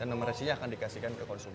dan nomor resinya akan dikasihkan ke konsumen